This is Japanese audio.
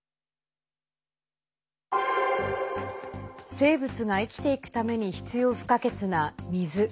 生物が生きていくために必要不可欠な水。